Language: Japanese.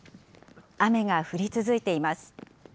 雨が降り続いています。